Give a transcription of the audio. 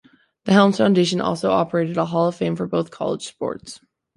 The Helms Foundation also operated a hall of fame for both college sports.